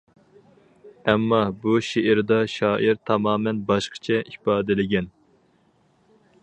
ئەمما، بۇ شېئىردا شائىر تامامەن باشقىچە ئىپادىلىگەن.